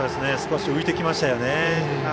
少し浮いてきましたね。